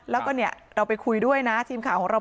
แล้วก็เนี่ยเราไปคุยด้วยนะทีมข่าวของเรา